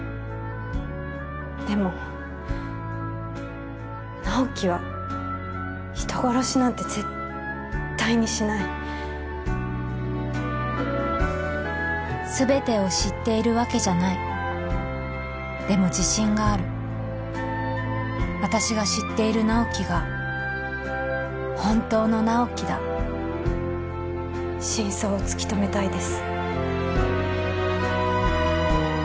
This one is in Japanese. でも直木は人殺しなんて絶対にしない全てを知っているわけじゃないでも自信がある私が知っている直木が本当の直木だ真相を突き止めたいです